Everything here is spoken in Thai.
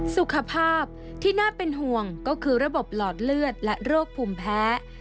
สุขภาพที่น่าเป็นห่วงก็คือระบบหลอดเลือดและโรคภูมิแพ้